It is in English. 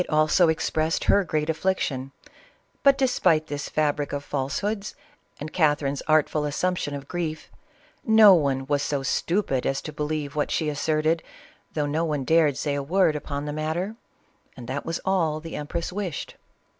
also expressed her great affliction, but, despite this fab ric of falsehoods and Catherine's artful assumption of <rrief, no one was so stupid as to believe what she as ^fe serted, though no^ne dared say a word upon the mat ter, and that was all the empress wished.